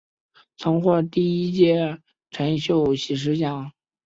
曾获第一届陈秀喜诗奖。